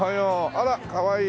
あらかわいい。